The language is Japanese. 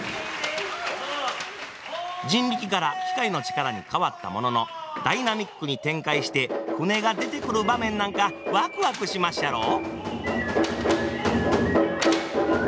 人力から機械の力に変わったもののダイナミックに展開して舟が出てくる場面なんかワクワクしまっしゃろ！